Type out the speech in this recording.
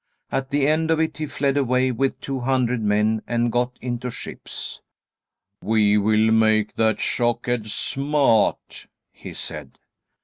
At the end of it he fled away with two hundred men and got into ships. "We will make that Shockhead smart," he said.